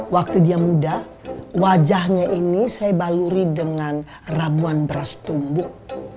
waktu dia muda wajahnya ini saya baluri dengan ramuan beras tumbuh